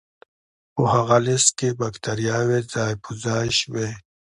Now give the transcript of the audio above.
په هغه لست کې بکتریاوې ځای په ځای شوې.